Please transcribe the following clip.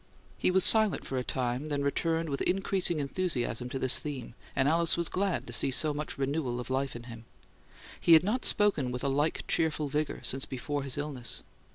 He was silent for a time, then returned with increasing enthusiasm to this theme, and Alice was glad to see so much renewal of life in him; he had not spoken with a like cheerful vigour since before his illness.